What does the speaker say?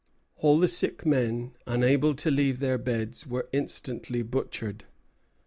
All the sick men unable to leave their beds were instantly butchered.